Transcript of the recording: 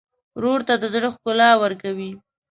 ورور ته د زړه ښکلا ورکوې.